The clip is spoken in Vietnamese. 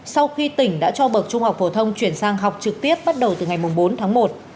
sau khi tỉnh đã cho bậc trung học phổ thông chuyển sang học trực tiếp bắt đầu từ ngày bốn tháng một